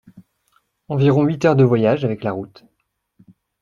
Environ huit heures de voyage avec la route.